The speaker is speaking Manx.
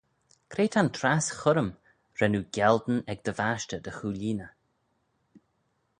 Cre ta'n trass churrym ren oo gialdyn ec dty vashtey dy chooilleeney?